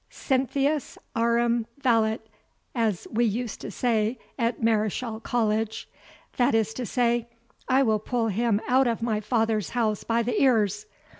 CYNTHIUS AUREM VELLET, as we used to say at Mareschal College; that is to say, I will pull him out of my father's house by the ears.